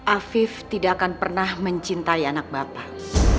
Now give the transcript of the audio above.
afif tidak akan pernah mencintai anak bapak